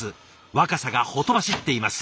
若さがほとばしっています。